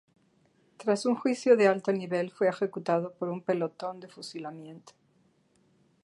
Tras un juicio de alto nivel, fue ejecutado por un pelotón de fusilamiento.